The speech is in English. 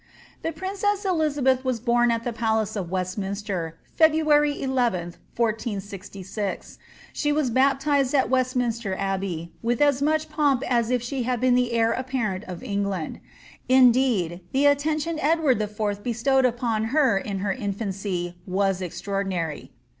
The princess Elizabeth was bom at the palace of Westminster, Feb raary 11 th, 1466.* She was baptised in Westminster Abbey, with as mach pomp as if she had been the heir apparent of England ; indeed, the attention Edward IV. bestowed upon her in her infiuicy was extraor dinary.